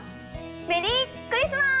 メリークリスマス！